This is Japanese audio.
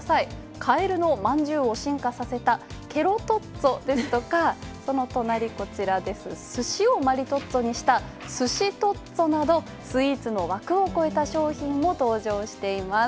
かえるのまんじゅうを進化させたケロトッツォですとか、その隣、すしをマリトッツォにした、すしトッツォなどスイーツの枠を超えた商品も登場しています。